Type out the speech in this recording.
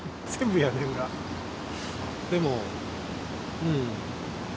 でもうん。